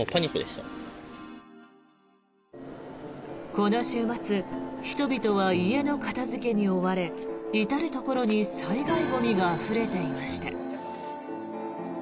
この週末、人々は家の片付けに追われ至るところに災害ゴミがあふれていました。